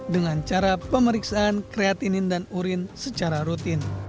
dengan cara pemeriksaan kreatinin dan urin secara rutin